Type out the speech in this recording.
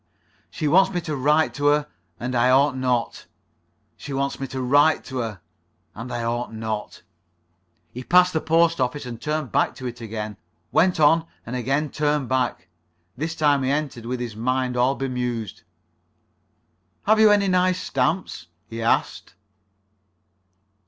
"She wants me to write to her. And I ought not. She wants me to write to her. And I ought not." He passed the post office, and turned back to it again. Went on, and again turned back. This time he entered with his mind all bemused. "Have you any nice stamps?" he asked.